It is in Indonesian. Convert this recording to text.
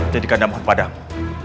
jadi kandang mohon padamu